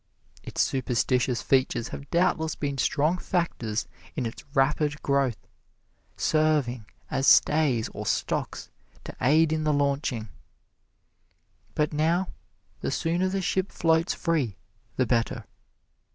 Its superstitious features have doubtless been strong factors in its rapid growth serving as stays or stocks to aid in the launching. But now, the sooner the ship floats free the better.